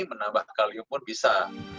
menambah kalium pun bisa